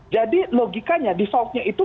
jadi logikanya defaultnya itu